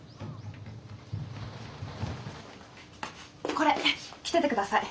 これ着ててください。